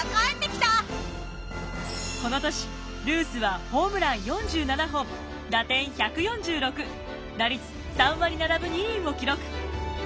この年ルースはホームラン４７本打点１４６打率３割７分２厘を記録。